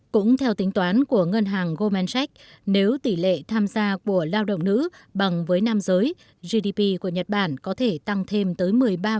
cũng theo tính toán của ngân hàng gomence nếu tỷ lệ tham gia của lao động nữ bằng với nam giới gdp của nhật bản có thể tăng thêm tới một mươi ba